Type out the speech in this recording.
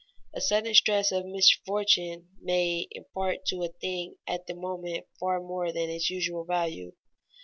_ A sudden stress of misfortune may impart to a thing at the moment far more than its usual value.